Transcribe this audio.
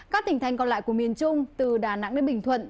các tỉnh thành còn lại của miền trung từ đà nẵng đến bình thuận